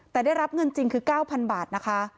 แต่ได้รับเงินจริงคือ๙๐๐บาทนะคะ